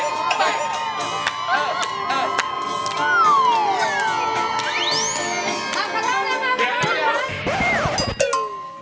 เอาพันเร็วอย่ามาก